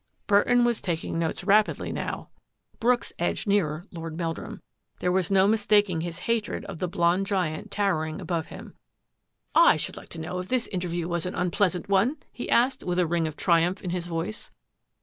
Burton was taking notes rapidly now. \ SURMISES AND SUSPICIONS 66 Brooks edged nearer Lord Meldnim. There was no mistaking his hatred of the blond giant towering above him. " I should like to know if this interview was an unpleasant one? " he asked, with a ring of triumph in his voice.